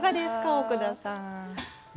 奥田さん。